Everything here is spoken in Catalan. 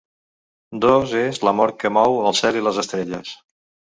Dos-És l’amor que mou el cel i les estrelles.